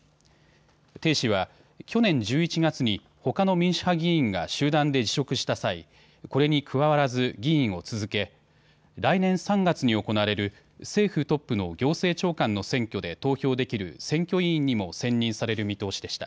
鄭氏は去年１１月に、ほかの民主派議員が集団で辞職した際これに加わらず議員を続け来年３月に行われる政府トップの行政長官の選挙で投票できる選挙委員にも選任される見通しでした。